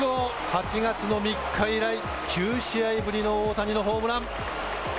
８月の３日以来、９試合ぶりの大谷のホームラン。